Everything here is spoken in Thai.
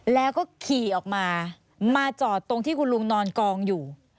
แล้วก็ขี่ออกมามาจอดตรงที่คุณลุงนอนกองอยู่